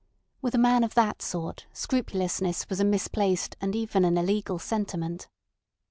With a man of that sort scrupulousness was a misplaced and even an illegal sentiment.